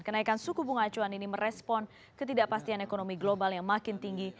kenaikan suku bunga acuan ini merespon ketidakpastian ekonomi global yang makin tinggi